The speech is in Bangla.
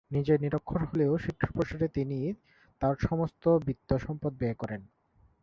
নিজে নিরক্ষর হলেও শিক্ষার প্রসারে তিনি তার সমস্ত বিত্ত-সম্পদ ব্যয় করেন।